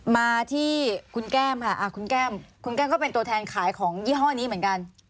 มาที่คุณแก้มค่ะคุณแก้มคุณแก้มก็เป็นตัวแทนขายของยี่ห้อนี้เหมือนกัน